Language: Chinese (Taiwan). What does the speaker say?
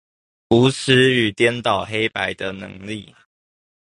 無恥與顛倒黑白的能力